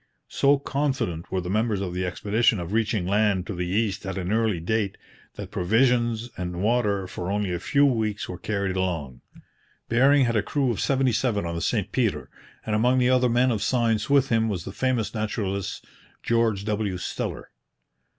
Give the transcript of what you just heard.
So confident were the members of the expedition of reaching land to the east at an early date that provisions and water for only a few weeks were carried along. Bering had a crew of seventy seven on the St Peter, and among the other men of science with him was the famous naturalist, George W. Steller.